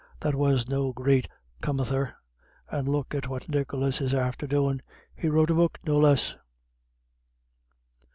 That was no great comether. And look at what Nicholas is after doin'; he's wrote a book, no less."